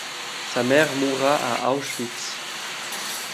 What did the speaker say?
Sa mère mourra à Auschwitz.